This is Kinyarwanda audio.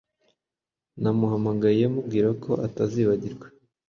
Namuhamagaye mubwirako atazibagirwa